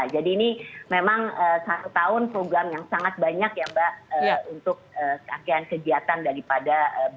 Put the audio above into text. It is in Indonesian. jadi ini memang satu tahun program yang sangat banyak ya mbak untuk rangkaian kegiatan daripada b dua puluh